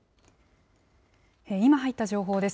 今入った情報です。